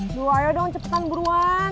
dua ayo dong cepetan buruan